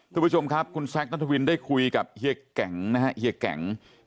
ทุกผู้ชมครับคุณแซคนัทวินได้คุยกับเฮียแก่งนะฮะเฮียแก่ง